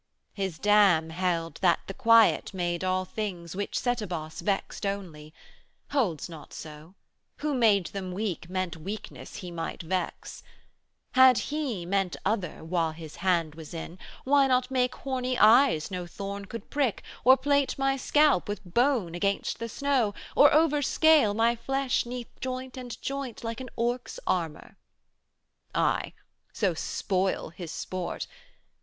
His dam held that the Quiet made all things 170 Which Setebos vexed only: 'holds not so. Who made them weak, meant weakness He might vex. Had He meant other, while His hand was in, Why not make horny eyes no thorn could prick, Or plate my scalp with bone against the snow, 175 Or overscale my flesh 'neath joint and joint, Like an orc's armor? Aye so spoil His sport!